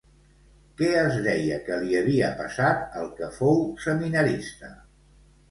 Què es deia que li havia passat al que fou seminarista?